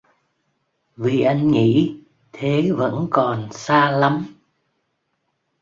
vì anh nghĩ: thế vẫn còn xa lắm.